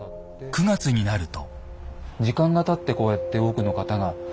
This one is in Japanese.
９月になると。